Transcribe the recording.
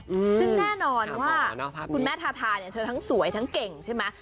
อืมซึ่งแน่นอนว่าคุณแม่ทาทาเนี่ยเธอทั้งสวยทั้งเก่งใช่ไหม